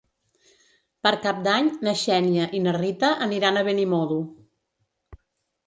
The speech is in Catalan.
Per Cap d'Any na Xènia i na Rita aniran a Benimodo.